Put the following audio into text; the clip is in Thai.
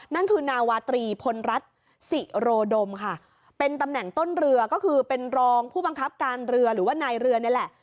นั่นคือนาวาตรีพลรัฐศิโรดมค่ะเป็นตำแหน่งต้นเรือก็คือเป็นรองผู้บังคับการเรือหรือว่านายเรือนี่แหละ